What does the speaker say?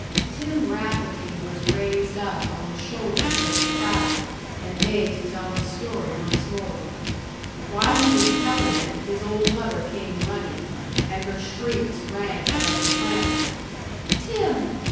Tim Rafferty was raised up on the shoulders of the crowd and made to tell his story once more. While he was telling it, his old mother came running, and her shrieks rang above the clamour: "Tim!